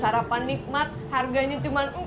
secara penikmat harganya cuma empat ribu